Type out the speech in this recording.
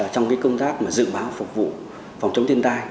trong cái công tác mà dự báo phục vụ phòng chống thiên tai